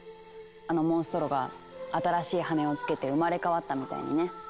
あのモンストロが新しい羽をつけて生まれ変わったみたいにね。